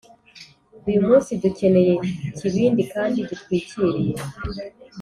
uyu munsi dukeneye ikibindi kandi gitwikiriye